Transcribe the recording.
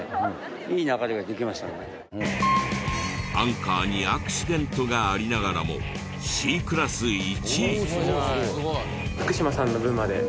アンカーにアクシデントがありながらもＣクラス１位。